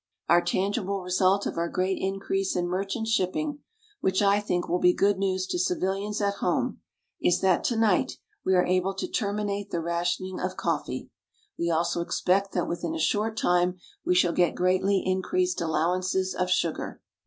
One tangible result of our great increase in merchant shipping which I think will be good news to civilians at home is that tonight we are able to terminate the rationing of coffee. We also expect that within a short time we shall get greatly increased allowances of sugar.